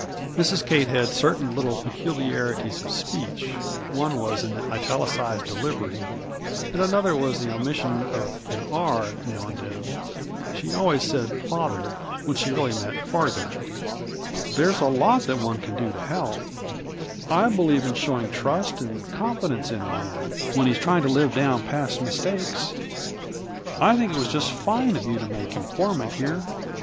(Mrs. Kate had certain little peculiarities of speech; one was an italicized delivery, and another was the omission of an r now and then. She always said "father" when she really meant "farther.") "There's a lot that one can do to help. I believe in showing trust and confidence in a man, when he's trying to live down past mistakes. I think it was just fine of you to make him foreman here!